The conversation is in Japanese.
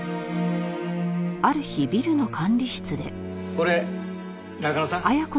これ中野さん？